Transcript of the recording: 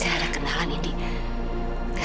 saya ada kenalan indy